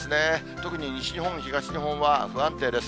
特に西日本、東日本は不安定です。